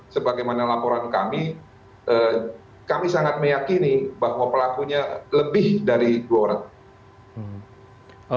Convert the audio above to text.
sebagaimana laporan kami kami sangat meyakini bahwa pelakunya lebih dari dua orang